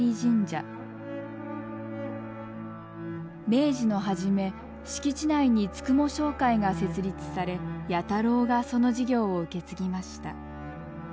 明治の初め敷地内に九十九商会が設立され弥太郎がその事業を受け継ぎました。